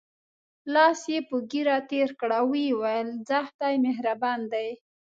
لاس یې په ږیره تېر کړ او وویل: ځه خدای مهربان دی.